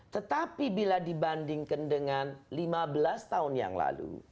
tetapi bila dibandingkan dengan lima belas tahun yang lalu